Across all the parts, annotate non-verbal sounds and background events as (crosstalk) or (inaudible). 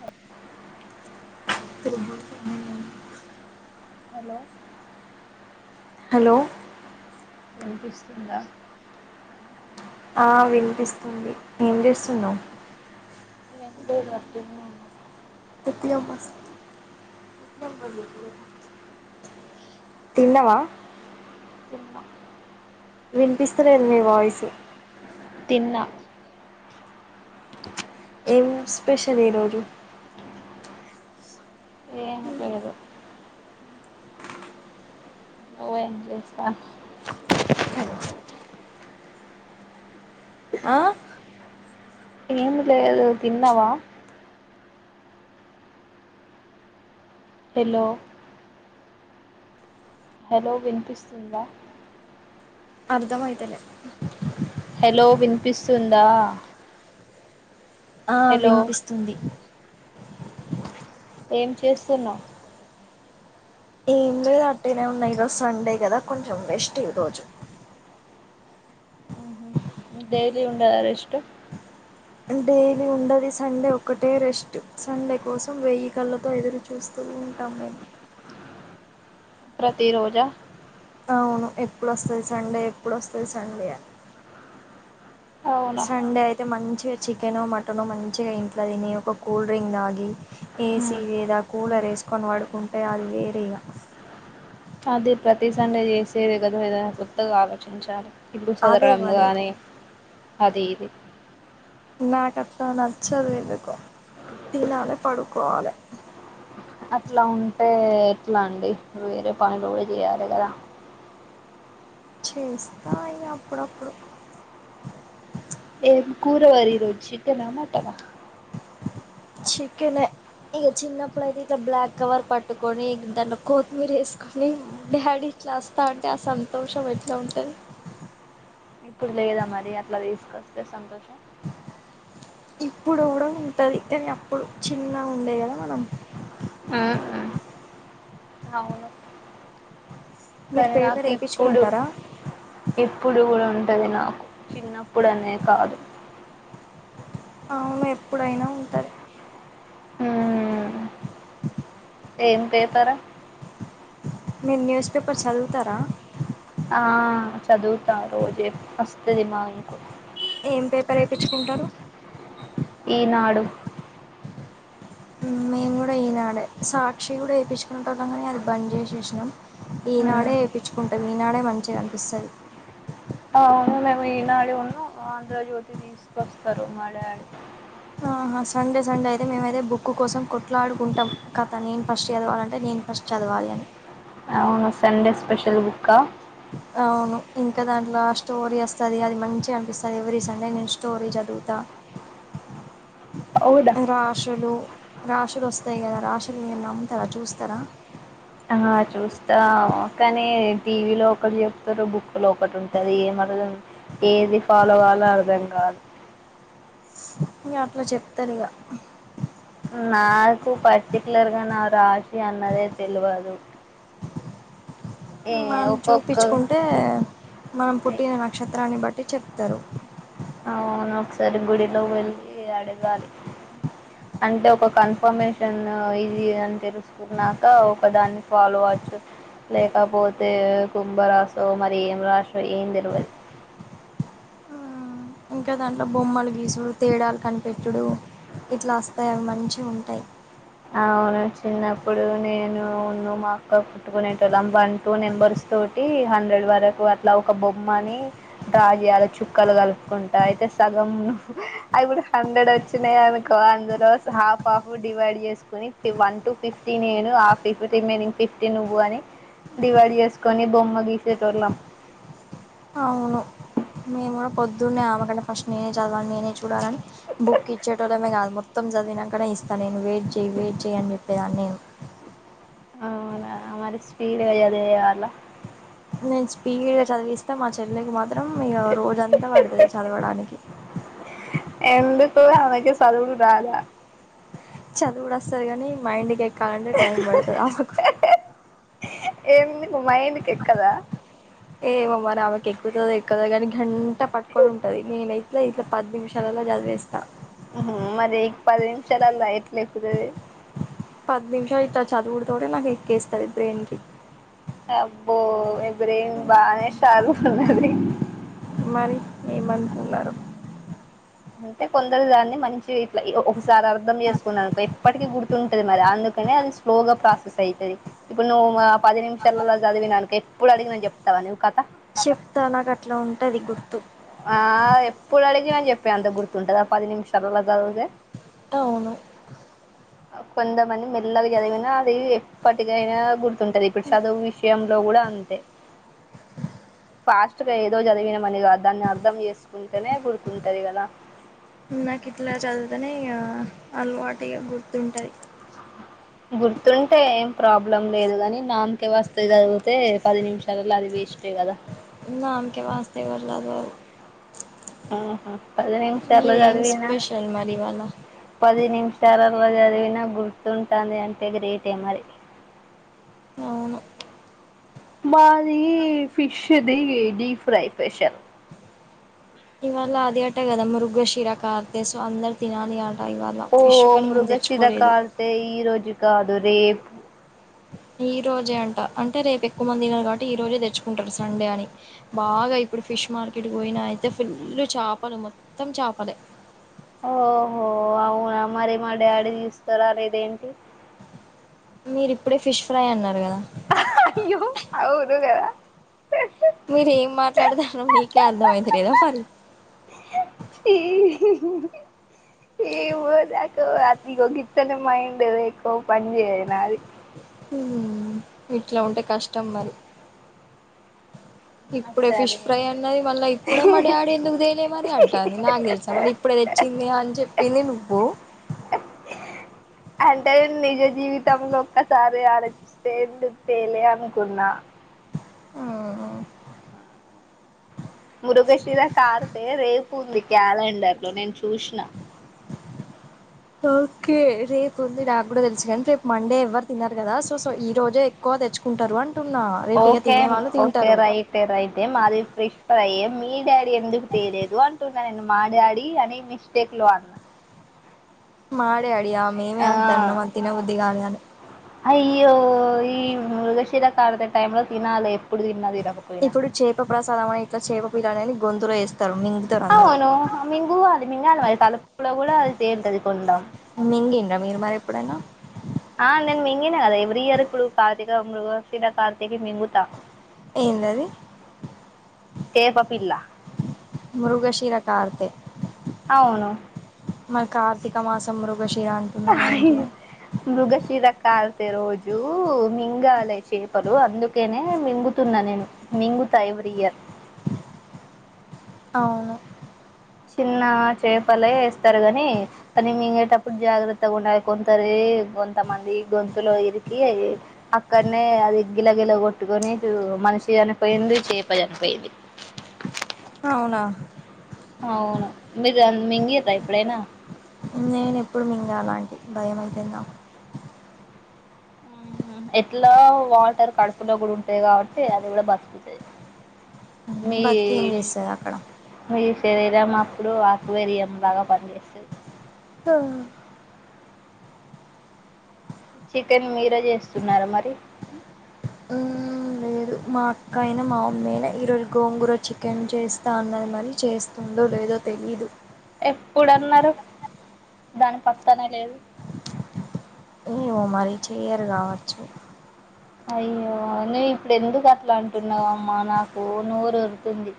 (unintelligible) Hello hello వినిపిస్తుందా ఆ వినిపిస్తుంది వినిపిస్తున్నావు ఎండి (unintelligible) ఉన్నా ఒకే అమ్మాస్ తిన్నావా తిన్న వినిపిస్తలేదు మీ వాయిస్ తిన్నా ఏం స్పెషల్ ఈరోజు ఏం లేదు పిస్తా కద్దు ఆ ఏం లేదు తిన్నావా హలో హలో వినిపిస్తుందా అర్థమయితలే హలో వినిపిస్తుందా ఆ హలో వినిపిస్తుంది ఏం చేస్తున్నావు ఏం లేదు అట్టనే ఉన్నాయి ఈరోజు సండే కదా కొంచెం రెస్ట్ ఈరోజు ఊహు డైలీ ఉండదా రెస్ట్ డైలీ ఉండదు సండే ఒకటే రెస్ట్ సండే కోసం వెయ్యి కళ్ళతో ఎదురు చూస్తూ ఉంటాము ప్రతి రోజా అవును ఎప్పుడొస్తది చండే ఎప్పుడొస్తది సండే అని అవును సండే అయితే మంచి ఏ చికెనో మటనో మంచిగా ఇంట్లో తిని ఒక కూల్ డ్రింక్ తాగి ఏసీ మ్ లేదా కూలర్ వేసుకొని పడుకుంటే అది వేరే ఇగా అది ప్రతి సండే చేసేది కదా ఏదైనా కొత్తగా ఆలోచించాలి ఇప్పుడు అదే చదరం పని గానీ అది ఇది నా కట్ట నచ్చదు ఎందుకో తినాలే పడుకోవాలే అట్లా ఉంటే ఎట్లా అండి నువ్వు వేరే పనులు కూడా చేయాలి కదా చేస్తా అవి అప్పుడప్పుడు ఏం కూర మరి ఈరోజు చికనా, మటనా చికనే ఈ చిన్నప్పుడయితే ఇక బ్లాక్ కవర్ పట్టుకొని దాంట్లో కొత్తిమీర వేసుకొని డాడీ చేస్తా అంటే ఆ సంతోషం ఎట్లా ఉంటది ఇప్పుడు లేదా మరి అట్లా తీసుకొస్తే సంతోషం ఇప్పుడు కూడా ఉంటది కానీ అప్పుడు చిన్న ఉండే కదా మనం ఉహు అవును మీరు కానీ పేపర్ నాకు ఇప్పుడు వేయించుకుంటారా ఇప్పుడు కూడా ఉన్ ఉంటది నాకు చిన్నప్పుడు అనే కాదు అవును ఎప్పుడైనా ఉంటాది మ్మ్. ఏం పేపర మీరు న్యూస్ పేపర్ చదువుతారా ఆ చదువుతా రోజే వస్తది మాకు ఏం పేపర్ వేపించుకుంటారు ఈనాడు ఉమ్మ్ మేము కూడా ఈనాడే సాక్షి కూడా ఏపించుకుంటున్నం కానీ అది బంద్ చేసేసినం మ్మ్. ఈనాడే ఏపిచ్చుకుంటాం ఈనాడే మంచిగనిపిస్తాది అవును మేము ఈనాడును ఆంధ్రజ్యోతి తీసుకొస్తారు మా డాడీ ఆహా సండే సండే అయితే మేమైతే బుక్ కోసం కొట్లాడుకుంటాం కథ నేను ఫస్ట్ చదవాలంటే నేను ఫస్ట్ చదవాలి అని అవును సండే స్పెషల్ బుక్క అవును ఇంకా దాంట్లో ఆ స్టోరీ వస్తాది అది మంచిగనిపిస్తాది ఎవ్రి సండే నేను స్టోరీ చ దువుతా అవునా రాష్ హలో రాశులు వస్తాయి కదా రాశులు మీరు నమ్ముతారా చూస్తారా ఆ చూస్తా కానీ టీవీలో ఒకటి చెప్తారు బుక్‌లో ఒకటి ఉంటది ఏం అ ఏది ఫాలోకావాలో అర్థం కాదు అ ఇగా అట్లా చెప్తారు ఇగ నాకు పర్టికులర్గా నా రాశి అన్నదే తెలువదు మనం ఒక్కొక్క చూపిచుకుంటే మనం పుట్టిన నక్షత్రాన్ని బట్టి చెప్తారు అవును ఒకసారి గుడిలో వెళ్ళి అడగాలి అంటే ఒక కన్ఫర్మేషన్ ఇది అని తెలుసుకున్నాక ఒక దాన్ని ఫాలో అ చ్చు లేకపోతే కుంభరాశో మరి ఏం రాసో ఏం తెలువదు ఇంకా దాంట్లో బొమ్మలు గీసుడు తేడాలు కనిపెట్టుడు ఇట్లా వస్తాయి అవి మంచివుంటాయి అవును చిన్నప్పుడు నేనునూ మా అక్క కుట్టుకునేటోలం వన్ టూ నెంబర్స్ తోటి హండ్రెడ్ వరకు అట్లా ఒక బొమ్మని డ్రా చేయాలి చుక్కలు కలుపుకుంటా అయితే సగం అప్పుడు హండ్రెడ్ వచ్చినాయి అనుకో అందులో హాఫ్ హాఫ్ డివైడ్ చేసు కొని వన్ టు ఫిఫ్టీ నేను ఆ ఫిఫ్టీ మేనింగ్ ఫిఫ్టీ నువ్వు అని డివైడ్ చేసుకొని బొమ్మ గీసేటోల్లం అవును మేము కూడా పొద్దున్నే ఆమె కంటే ఫస్ట్ నేనే చదవని నేనే చూడాలని బుక్ ఇచ్చేటోళ్ళమే కాదు మొ త్తం చదివినంకనే ఇస్తా నేను వెయిట్ చెయ్ వెయిట్ చెయ్ అని చెప్పేదాన్ని నేను అవునా మరి స్పీడుగా చదివే వాళ్ళ నేను స్పీడ్గా చదివిస్తే మా చెల్లికి మా త్రం ఇగ రోజంతా పడుతాది చదవడానికి ఏం సదువుడు రాదా చదువుడు వస్తాది కానీ మైండ్ కి ఏమి మైండ్కి ఎక్కదా ఏమో మరి ఆమె కేక్కుతాదో ఎక్కదో కానీ గంట పట్టుకొని ఉంటది నేనైతే ఇట్లా పది నిమిషాలల్లో చదివేస్తా ఉహ్మ్ మరి చాలా లై పది నిమిషాలు ఇట్లా చదువుడుతోటే నాకు ఎక్కేస్తాది బ్రెయిన్‌కి అబ్బో మీ బ్రెయిన్ బానే షార్ప్ ఉన్నది మరి ఏమనుకున్నారు అంటే కొందరు దాన్ని మంచి ఇట్లా ఒకసారి అర్థం చేసుకున్నా అనుకో ఎప్పటికీ గుర్తుంటది మరి అందు కనే అది స్లోగా ప్రాసెస్ అయితది ఇప్పుడు నువ్వు ఆ పది నిమిషాలలో చదివిననుకో ఇప్పుడు అడిగి నని చెప్తావా నీ కథ చెప్తా నాకు అట్లా ఉంటది గుర్తు ఆ ఎప్పుడు అడిగి నని చెప్పే అంత గుర్తుంటదా పది నిమిషాలలో చదువుతేే అవును కొంతమంది మెల్లగా చదివినా అది ఎప్పటికైనా గుర్తుంటది ఇప్పుడు చదువు విషయం లో కూడా అంతే ఫాస్ట్గా ఏదో చదివినమనిగా దాన్ని అర్ధం చేసుకుంటేనే గుర్తుంటంది కదా నాకు ఇట్లా చదితేనే అలవాటుగా గుర్తుంటది గుర్తుంటే ఏం ప్రాబ్లం లేదు కానీ నామకే వస్త చదివితే పది నిమిషాలలో అది వేసి ష్టే కదా నామకే వాస్తు ఎవరు చదవరు ఆహ పది నిమిషాలలో మీదేం చదివిన స్పెషల్ మరి ఇవాళ పది నిమిష పోది అది వి నా గుర్తుంటుంది అంటే గ్రేట్ ఏ మరి అవును మాది ఫిష్ది డీప్ ఫ్రై స్పెషల్ ఇవల్ అది అట కదా మురుగ్గా శిరా కార్త సో అందరు తినాలని ఆ ఓ మృగశిర కార్తే ఈ రోజు కాదు రేపు ఈ రోజే అంట అంటే రేపు ఎక్కువ మంది తిన కాబట్టి ఈ రోజే తెచ్చుకుంటారు సండే అని బాగా ఇప్పుడు ఫీ ఫిష్ మార్కెట్ పోయిన అయితే ఫుల్ చేపలు మొత్తం చేపలే ఓహో అవునా మరి మా డాడీ తీస్తారు అర ఇదేంటి మీరి ఇప్పుడే ఫిష్ ఫ్రై అన్నారు కదా ఇ అవును గదా మీర ఏం మాట్లాడతారో మీకే అర్థం అయితు లేదా మరి. ఏదా అతికో కితనే మైండ్ ఎక్కువ పని చేయదు నాది ఇట్ల ఉంటే కష్టం మరి. ఇప్పుడే ఫిష్ సరే ఫ్రై అన్నది మళ్ళీ ఇప్పుడే మా డాడీ ఎందుకు తెేలిలేమది అంటారు అంది నాకు తెలుసా మళ్ళీ ఇప్పుడే తెచ్చి. అం చెప్పిన నువ పో అంటే నిజ జీవితం ఒక్కసార్ ఆలోచిస్తే తేలే అనుకున్నా. ఆ మృగశిర కార్తె రేపు ఉంది క్యాలెండర్ లో నేను చూసిన ఓకే రేపుంది నాకు కూడా తెలుసు కండి రేపు మండే ఎవ్వరు తిన్నారు కదా సో సో ఈ రోజే ఎక్కువ తెచ్చుక. కుంటారు ఆ ఓకే ఓకే రైట్ రైట్ మాది ఫ్రష్ ఫ్రై మీ ఎందుకు తెేలిదు అంటున్నా నేను మా డాడీ అని మిస్టేక్ లో అన్నా. మా డాడీ మేమే ఆ వద్దన్నాం అది తినబుద్ది కాలే అని అయ్యో ఈ మృగశిర కాలద టైమ్ంలో లో తినాల ఇప్పుడు చేప ప్రసాదం అని ఇట్లా చేప పిలాని అని గొంతులో వే అవును మింగు అది మింగ అ మరి తలపు కూడా అది తేర్తది మింగిడ్రా మీర్ మరి ఎప్పుడైనా ఆ నేను మింగినా కదా ఎవ్రీ ఇయర్ కుడు కావ మృగశిర కార్తి కి మింగుత ఏందది చేపా పిల్లా మృగశిర కార్తి అవును మన కార్తీక మాసం మృగశిర అంటున్నారు ఏంటి తే రోజు మింగాలి చేపలు అందుకేనే మింగుతున్నా నేను మింగుతాయి వియ్య అవును చిన్న చేపలే ఇస్తారు గానీ మింగేటప్పుడు జాగ్రత్తగా ఉండాల్ కొంతారే కొంతమంది గొంతులో ఇరికి అయి అక్కడనే అది గిలగిల కొట్టుకొని చ మనిషి చనిపోయింది చేప చనిపోయింది అవునా అవును మీరు మింగిదా ఎప్పుడైనా నేను ఎప్పుడు మీంగాల అలాంటి భయంమైతుందకు ఎట్లా వాటర్ కడుపులో కూడా ఉంటాది కాబట్టి అది కూడా బతుకుతుంది మీ బతికి ఏం చేస్తది అక్కడ మీ శరీరం అప్పుడు ఆ వేరియంలాగా పనిచేస్తది ఆ చికెన్ మీరే చేస్తున్నారా మరి లేదు మా అక్క అయినా మా మమ్మీ అయినా ఈ రోజు గోంగూర చికెన్ చేస్తా అన్నది మరి చేస్తుండో లే జోతే ఇదు ఎప్పుడు అన్నారు దాని పక్కానే ఏమో మరీ చెయరు కావచ్చు అయ్యో నువ్వు ఇప్పుడు ఎందుకు అట్లా అంటున్నావమ్మా నాకు నోరు ఉరుతుంది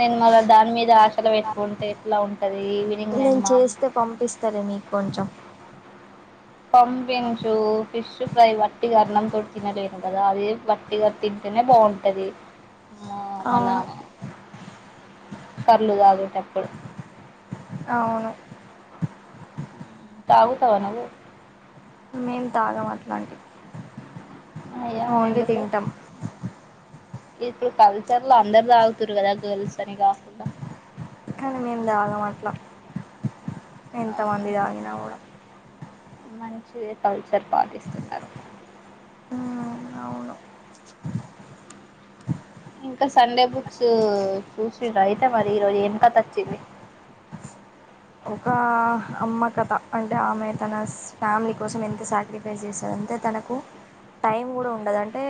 నేను మళ్ళ దాని మీద ఆ చల పెట్టుకుంటే ఎట్లా ఉంటది ఈవినింగ్ నాన్ నేను మా అమ్ చేస్తే పంపిస్తాలే మీకు కొంచెం పంపించు ఫిష్ ఫ్రై వట్టి కరణం. ఎవడు తినలేను కదా అది వట్టిగా తింటేనే బాగుంటది మన అవును కళ్ళు తాగేటప్పుడు అవును తాగుతవా నువ్వు మేం తాగం అట్లాంటి. అయ్యా ఓన్లీ ఎందుకు తింటాం. ఇప్పుడు కల్చర్ లో అందరు తాగుతుండురు కదా గర్ల్స్ అని కాకుండా కానీ మేము దాగాం అట్లా ఎంత మంది తాగిన కూడా. మంచిదే పల్ చర్ పాటిస్తున్నారు అవును ఇంకా సండే బుక్స్ చూసిండ్రా అయితే మరి ఈరోజు ఏమి కథ వచ్చింది. ఒక అమ్మ కథ అంటే ఆమె తన ఫ్యామిలీ కోసం ఎంత సాక్రిఫైస్ చేశార్. అంతే తనకు. టైం కూడా ఉండదు అంటే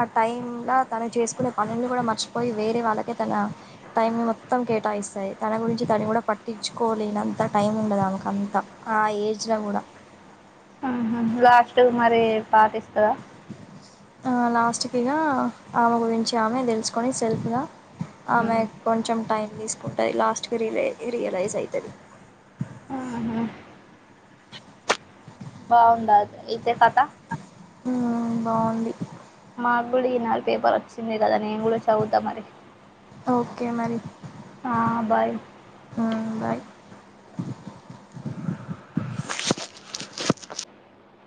ఆ టైమ్ లా తను చేసుకునే పనులు కూడా మర్చిపోయి వేరే వాళ్ళ్. తకి తన టైమ్ మొత్తం కేటాయిస్తాయి తన గురించి తను కూడా పట్టి. ఇచ్చుకోలేనంత టైం ఉండదు ఆమెకు అంత ఆ ఏజ్లో కూడా. ఉమ్ లాస్ట్ కు మరి పార్టీస్తవా ఆ లాస్ట్ కిగ ఆమె గురించి ఆమె దెలుసుకొని సెల్ఫ్ గా ఆమె ఉమ్. కొంచెం టైం దీసుకుంటది. లాస్ట్కి రిలై రియలైజ్ అయితది. ఆహా బాగుందా అయితే కథ హ్మ్మ్ బాగుంది మాకు కూడా ఈ నాడు పేపర్ వచ్చిందియి గదా నేను కూడా చవుద్దా మరి ఓకే మరి ఆ బై బాయ్